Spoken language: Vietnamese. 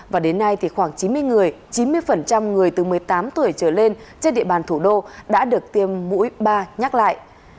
và đến nay khoảng chín mươi người từ một mươi tám tuổi trở lên trên địa bàn thủ đô đã được tiêm mũi ba nhắc lại